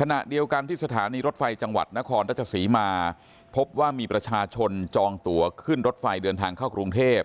ขณะเดียวกันที่สถานีรถไฟจังหวัดนครราชศรีมาพบว่ามีประชาชนจองตัวขึ้นรถไฟเดินทางเข้ากรุงเทพ